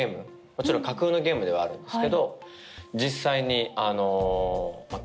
もちろん架空のゲームではあるんですけど実際にあのまあ